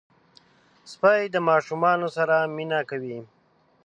سپي د ماشومانو سره مینه کوي.